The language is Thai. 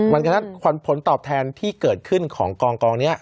เพราะฉะนั้นผลตอบแทนที่เกิดขึ้นของกองนี้